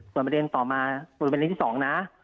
ส่วนประเด็นต่อมาดูประเด็นที่๒นะ